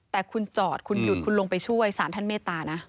แต่คุณจอดคุณหยุดคุณลงไปช่วยสารท่านเมตตานะ